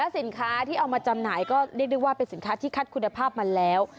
สินค้าที่เอามาจำหน่ายก็เรียกได้ว่าเป็นสินค้าที่คัดคุณภาพมาแล้ว